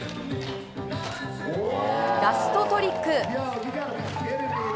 ラストトリック。